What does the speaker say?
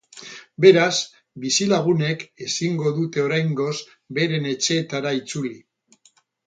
Beraz, bizilagunek ezingo dute oraingoz beren etxeetara itzuli.